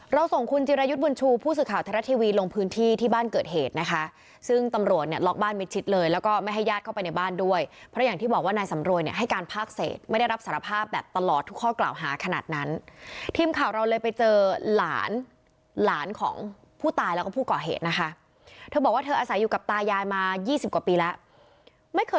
เราส่งคุณจิรายุทธ์บุญชูผู้สื่อข่าวทะเลาะทีวีลงพื้นที่ที่บ้านเกิดเหตุนะคะซึ่งตำรวจเนี่ยล็อกบ้านมีชิดเลยแล้วก็ไม่ให้ญาติเข้าไปในบ้านด้วยเพราะอย่างที่บอกว่านายสำรวยเนี่ยให้การพากเศษไม่ได้รับสารภาพแบบตลอดทุกข้อกล่าวหาขนาดนั้นทีมข่าวเราเลยไปเจอหลานหลานของผู้ตายแล้วก็ผู้ก่อเหตุนะคะเธ